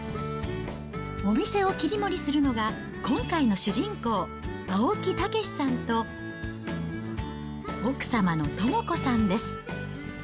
お店を切り盛りするのが、今回の主人公、青木健志さんと奥様の智子さんです。